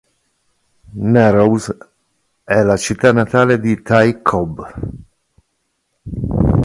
Narrows è la città natale di Ty Cobb.